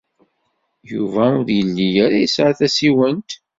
Yuba ur yelli ara yesɛa tasiwant.